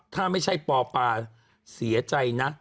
ถ้าไม่ใช่ปอปาเสียใจนะ